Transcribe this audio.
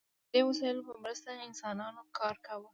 د همدې وسایلو په مرسته انسانانو کار کاوه.